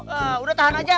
eh udah tahan aja